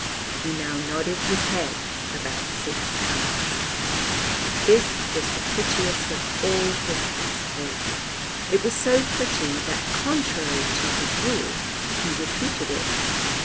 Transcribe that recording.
He now nodded his head about six times. This was the prettiest of all his exploits. It was so pretty that, contrary to his rule, he repeated it.